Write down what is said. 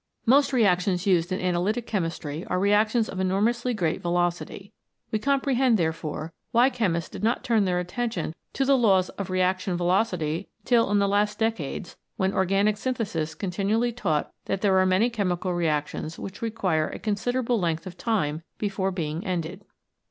Most reactions used in analytic Chemistry are reactions of enormously great velocity. We comprehend, therefore, why chemists did not turn their attention to the laws of Reaction Velocity till in the last decades, when organic synthesis continually taught that there are many chemical reactions which require a considerable length of time before being ended.